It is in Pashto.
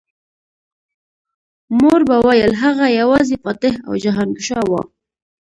مور به ویل هغه یوازې فاتح او جهانګشا و